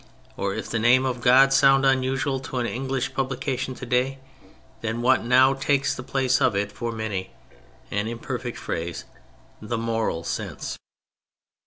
Or if the name of God sound unusual in an English publication to day, then what now takes the place of it for many (an imperfect phrase), " the moral sense.'